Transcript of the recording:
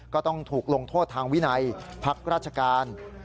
ก็ต้องถูกลงโทษทางวินัยพักราชการ